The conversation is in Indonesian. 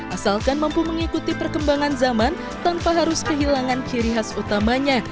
asalkan mampu mengikuti perkembangan zaman tanpa harus kehilangan ciri khas utamanya